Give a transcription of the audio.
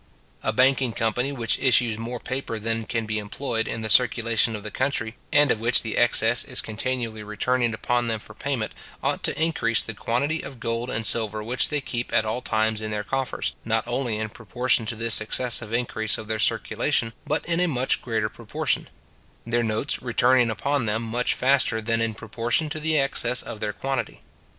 A banking company which issues more paper than can be employed in the circulation of the country, and of which the excess is continually returning upon them for payment, ought to increase the quantity of gold and silver which they keep at all times in their coffers, not only in proportion to this excessive increase of their circulation, but in a much greater proportion; their notes returning upon them much faster than in proportion to the excess of their quantity.